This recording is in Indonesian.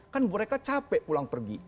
kan mereka capek pulang pergi